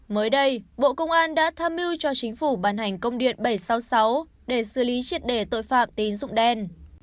mới đây bộ công an đã tham mưu cho chính phủ bàn hành công điện bảy trăm sáu mươi sáu để xử lý triệt đề tội phạm tín dụng đen